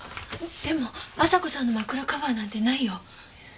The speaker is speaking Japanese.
でも亜沙子さんの枕カバーなんてないよ。